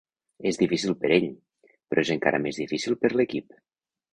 És difícil per ell, però és encara més difícil per l'equip.